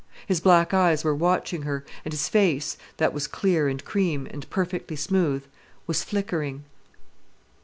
His black eyes were watching her, and his face, that was clear and cream, and perfectly smooth, was flickering.